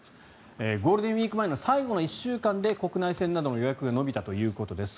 ゴールデンウィーク前の最後の１週間で国内線などの予約が伸びたということです。